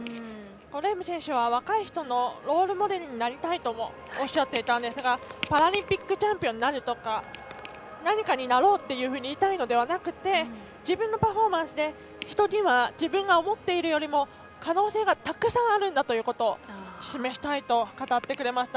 レーム選手は若い人のロールモデルになりたいとおっしゃっていたんですがパラリンピックチャンピオンになるとか何かになろうっていうふうに言いたいのではなくて自分のパフォーマンスで人には自分が思っているよりも可能性がたくさんあるんだということを示したいと語ってくれました。